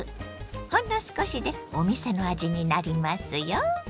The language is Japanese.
ほんの少しでお店の味になりますよ。